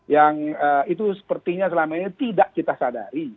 yang itu sepertinya selama ini tidak kita sadari